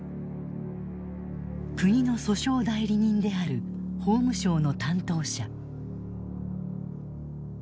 国の訴訟代理人である法務省の担当者。